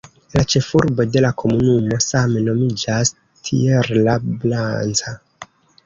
La ĉefurbo de la komunumo same nomiĝas "Tierra Blanca".